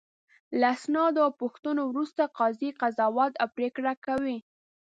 له اسنادو او پوښتنو وروسته قاضي قضاوت او پرېکړه کوي.